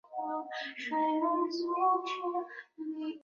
故科学家可以对真猛玛象的解剖有详细的了解。